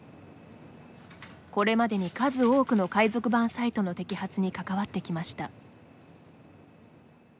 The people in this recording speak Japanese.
これまでに数多くの海賊版サイトの摘発に関わってきました。